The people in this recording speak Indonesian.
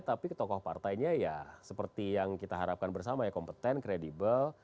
tapi tokoh partainya ya seperti yang kita harapkan bersama ya kompeten kredibel